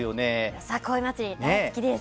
よさこい祭り大好きです。